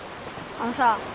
あのさあ。